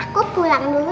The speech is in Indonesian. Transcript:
aku pulang dulu ya